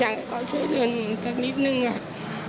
อยากให้เขาช่วยเตือนสักนิดนึงค่ะ